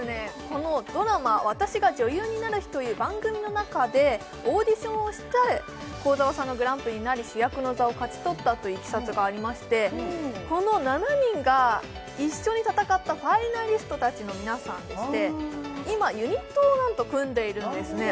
このドラマ「私が女優になる日」という番組の中でオーディションをして幸澤さんがグランプリになり主役の座を勝ち取ったといういきさつがありましてこの７人が一緒に戦ったファイナリスト達の皆さんでして今ユニットをなんと組んでいるんですね